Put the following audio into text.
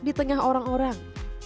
di tengah orang orang